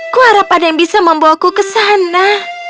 kuharap ada yang bisa membawaku ke sana